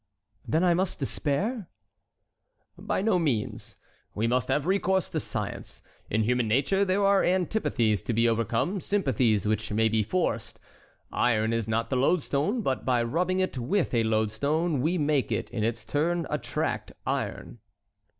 "Then must I despair?" "By no means; we must have recourse to science. In human nature there are antipathies to be overcome—sympathies which may be forced. Iron is not the lodestone; but by rubbing it with a lodestone we make it, in its turn, attract iron."